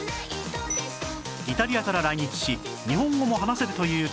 イタリアから来日し日本語も話せるという彼